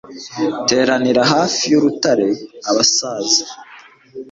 teranira hafi y'urutare, abasaza